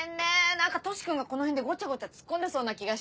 何かトシ君がこの辺でごちゃごちゃツッコんでそうな気がして。